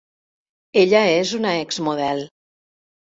Ella és una ex model.